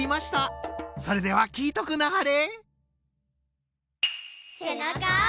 それでは聴いとくなはれ。